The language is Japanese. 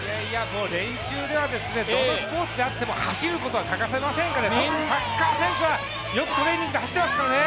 練習ではどのスポーツであっても走ることは欠かせませんから、特にサッカー選手はよくトレーニングで走ってますからね。